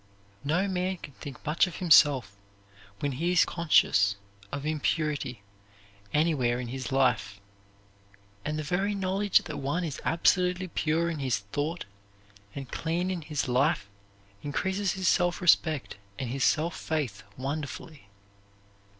No man can think much of himself when he is conscious of impurity anywhere in his life. And the very knowledge that one is absolutely pure in his thought and clean in his life increases his self respect and his self faith wonderfully.